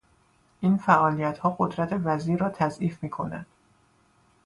این فعالیتها قدرت وزیر را تضعیف میکند.